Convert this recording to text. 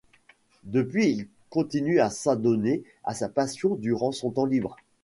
Depuis il continue à s’adonner à sa passion durant son temps libre.